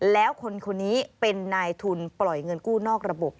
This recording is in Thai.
แล้วคนคนนี้เป็นนายทุนปล่อยเงินกู้นอกระบบ